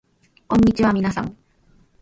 こんにちはみなさん